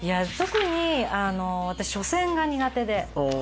特に私初戦が苦手で。